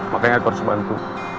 makanya aku harus bantu